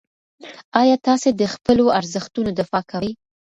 آیا تاسې د خپلو ارزښتونو دفاع کوئ؟